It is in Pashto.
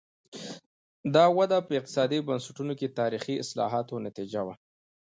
دا وده په اقتصادي بنسټونو کې تاریخي اصلاحاتو نتیجه وه.